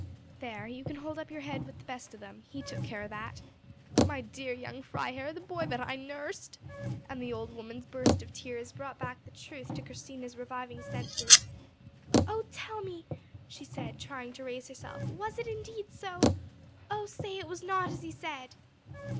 "There, you can hold up your head with the best of them; he took care of that—my dear young Freiherr, the boy that I nursed," and the old woman's burst of tears brought back the truth to Christina's reviving senses. "Oh, tell me," she said, trying to raise herself, "was it indeed so? O say it was not as he said!"